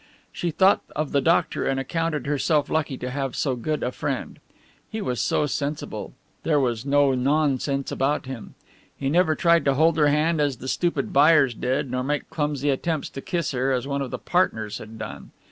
She thought of the doctor and accounted herself lucky to have so good a friend. He was so sensible, there was no "nonsense" about him. He never tried to hold her hand as the stupid buyers did, nor make clumsy attempts to kiss her as one of the partners had done.